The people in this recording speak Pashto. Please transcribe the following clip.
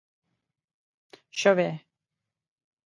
شوې